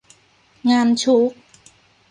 งานชุก